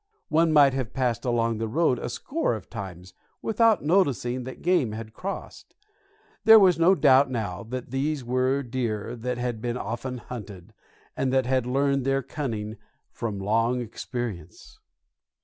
One might have passed along the road a score of times without noticing that game had crossed. There was no doubt now that these were deer that had been often hunted, and that had learned their cunning from long experience.